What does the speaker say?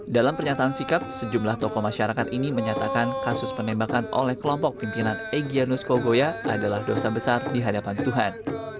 dalam pernyataan sikap sejumlah tokoh masyarakat ini menyatakan kasus penembakan oleh kelompok pimpinan egyanus kogoya adalah dosa besar di hadapan tuhan